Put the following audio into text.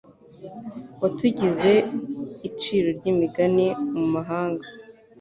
Watugize iciro ry’imigani mu mahanga